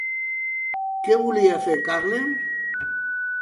Què volia fer Carner?